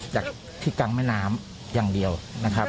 จากที่กลางแม่น้ำอย่างเดียวนะครับ